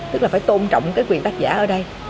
tức là phải tôn trọng cái quyền tác giả ở đây